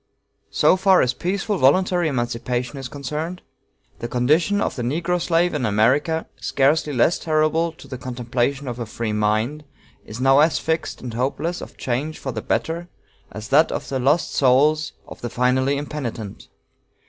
So far as peaceful voluntary emancipation is concerned, the condition of the negro slave in America, scarcely less terrible to the contemplation of a free mind, is now as fixed and hopeless of change for the better as that of the lost souls of the finally impenitent.